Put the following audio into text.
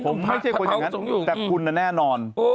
ผมไม่ใช่คนอย่างนั้นแต่คุณแน่นอน